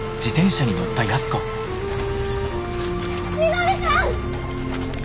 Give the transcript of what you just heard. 稔さん！